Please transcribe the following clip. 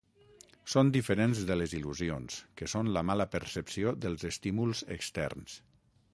Són diferents de les il·lusions, que són la mala percepció dels estímuls externs.